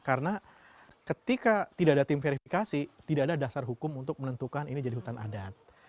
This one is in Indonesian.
karena ketika tidak ada tim verifikasi tidak ada dasar hukum untuk menentukan ini jadi hutan adat